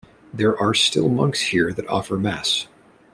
There are still monks here that offer mass.